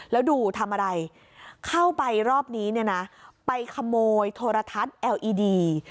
แล้วดูทำอะไรเข้าไปรอบนี้เนี่ยนะไปขโมยโทรทัศน์เอลอีดี